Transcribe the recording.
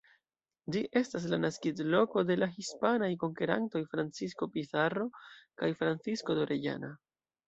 Ĝi estas la naskiĝloko de la hispanaj konkerantoj Francisco Pizarro kaj Francisco de Orellana.